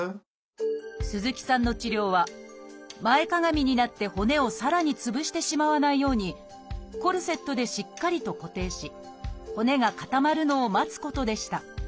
鈴木さんの治療は前かがみになって骨をさらにつぶしてしまわないようにコルセットでしっかりと固定し骨が固まるのを待つことでした。